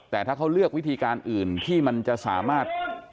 แต่ถ้าเขาเลือกวิธีการอื่นที่มันจะสามารถ